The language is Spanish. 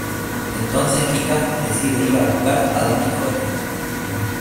Entonces Kika decide ir a buscar a Don Quijote.